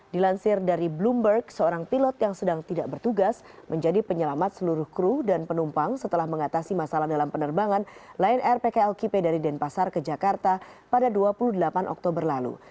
dilansir dari bloomberg seorang pilot yang sedang tidak bertugas menjadi penyelamat seluruh kru dan penumpang setelah mengatasi masalah dalam penerbangan lion air pkl kipe dari denpasar ke jakarta pada dua puluh delapan oktober lalu